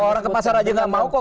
orang ke pasar aja nggak mau kok